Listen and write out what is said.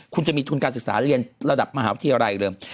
คุณจะมีทุนการศึกษาเรียนระดับมหาวิทยาลัยเดิม